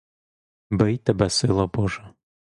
Бий тебе сила божа!